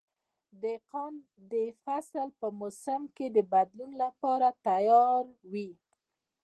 دهقان د فصل په موسم کې د بدلون لپاره تیار وي.